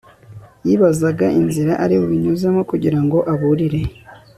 yibazaga inzira ari bubinyuzemo kugirango aburire